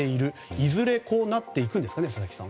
いずれこうなっていくんですかね佐々木さん。